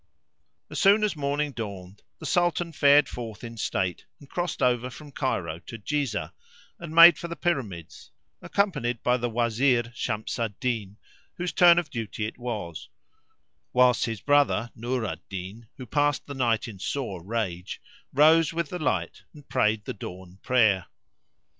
As soon as morning dawned the Sultan fared forth in state and crossed over from Cairo [FN#369] to Jizah [FN#370] and made for the pyramids, accompanied by the Wazir Shams al Din, whose turn of duty it was, whilst his brother Nur al din, who passed the night in sore rage, rose with the light and prayed the dawn prayer.